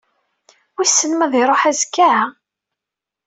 Wissen ma ad d-iruḥ azekka?